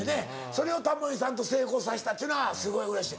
それをタモリさんと成功させたっちゅうのはすごいうれしい。